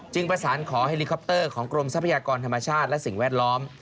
ประสานขอเฮลิคอปเตอร์ของกรมทรัพยากรธรรมชาติและสิ่งแวดล้อม